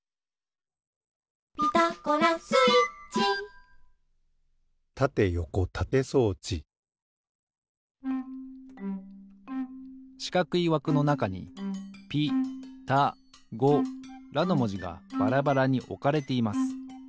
「ピタゴラスイッチ」しかくいわくのなかに「ピ」「タ」「ゴ」「ラ」のもじがバラバラにおかれています。